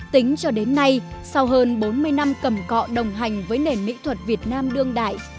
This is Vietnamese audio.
tính cho đến nay sau hơn bốn mươi năm cầm cọ đồng hành với nền mỹ thuật việt nam đương đại